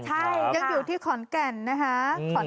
ใช่ยังอยู่ที่ขอนแก่นนะคะ